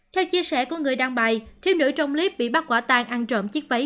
theo chia sẻ của người đăng bài thiếu nữ trong clip bị bắt quả tang ăn trộm chiếc váy